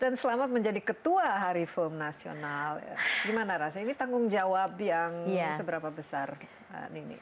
dan selamat menjadi ketua hari film nasional gimana rasa ini tanggung jawab yang seberapa besar nini